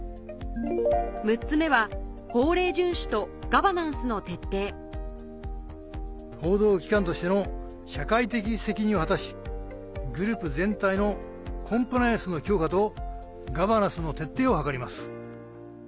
６つ目は報道機関としての社会的責任を果たしグループ全体のコンプライアンスの強化とガバナンスの徹底を図ります。